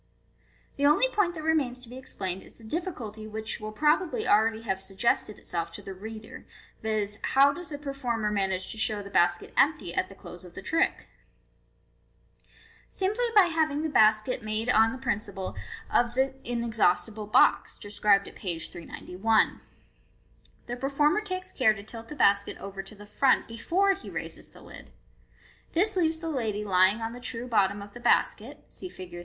The only point that remains to be explained is the difficulty which will probably already have suggested itself to the reader, viz., " How does the performer manage to show the basket empty at the close of the trick ?" Simply by having the basket made on the principle of the \Zo MODERN MA G/C ''inexhaustible box," described at page 391. The performer takes care to tilt the basket over to the front before he raises the lid. This leaves the lady lying on the true bottom of the basket (see Fig.